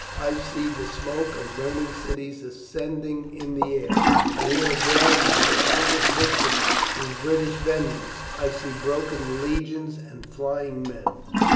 I see the smoke of burning cities ascending in the air. I hear the groans of countless victims to British vengeance. I see broken legions and flying men.